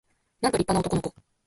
なんと立派な男の子